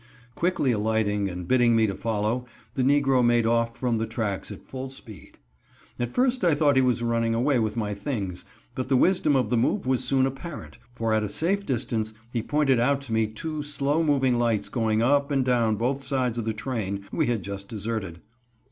Quickly alighting and bidding me to follow, the negro made off from the tracks at full speed. At first I thought he was running away with my things, but the wisdom of the move was soon apparent, for at a safe distance, he pointed out to me two slow moving lights going up and down both sides of the train we had just deserted.